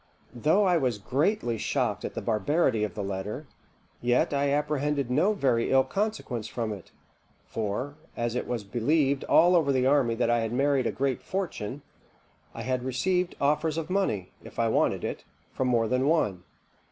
"Though I was greatly shocked at the barbarity of the letter, yet I apprehended no very ill consequence from it; for, as it was believed all over the army that I had married a great fortune, I had received offers of money, if I wanted it, from more than one.